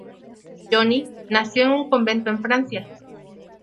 Johnny nació en un convento en Francia.